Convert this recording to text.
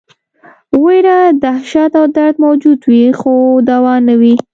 ویره، دهشت او درد موجود وي خو دوا نه وي.